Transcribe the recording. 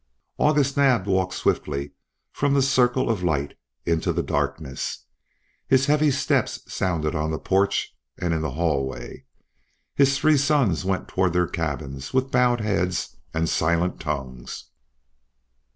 August Naab walked swiftly from the circle of light into the darkness; his heavy steps sounded on the porch, and in the hallway. His three sons went toward their cabins with bowed heads and silent tongues.